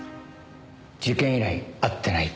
事件以来会ってない。